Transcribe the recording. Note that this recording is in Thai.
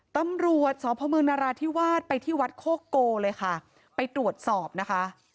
ตำรวจสพเมืองนราธิวาสไปที่วัดโคโกเลยค่ะไปตรวจสอบนะคะ